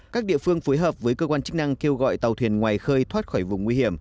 các địa phương phối hợp với cơ quan chức năng kêu gọi tàu thuyền ngoài khơi thoát khỏi vùng nguy hiểm